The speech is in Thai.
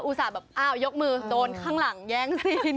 อุตส่าห์ยกมือโดนข้างหลังแย้งซีน